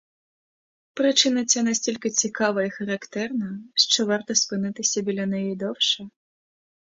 Причина ця настільки цікава і характерна, що варто спинитися біля неї довше.